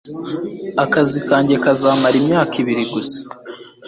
Akazi kanjye kazamara imyaka ibiri gusa.